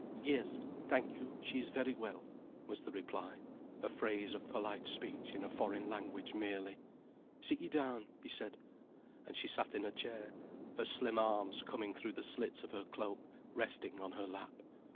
"Yes, thank you, she is very well," was the reply, a phrase of polite speech in a foreign language merely. "Sit you down," he said. And she sat in a chair, her slim arms, coming through the slits of her cloak, resting on her lap.